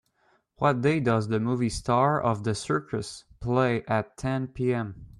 what day does the movie Star of the Circus play at ten PM